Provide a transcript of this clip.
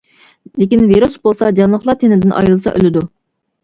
لېكىن ۋىرۇس بولسا جانلىقلار تېنىدىن ئايرىلسا ئۆلىدۇ.